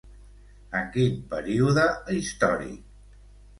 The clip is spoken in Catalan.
En quin període històric?